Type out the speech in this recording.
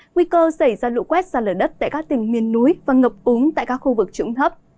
nguy cơ xảy ra lụ quét sạt lửa đất tại các tỉnh miền núi và ngập úng tại các khu vực trũng thấp